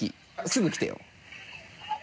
すぐ来てよ。